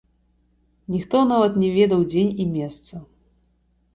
Ніхто нават не ведаў дзень і месца.